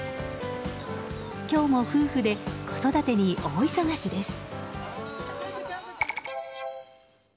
今日も夫婦で子育てに大忙しです。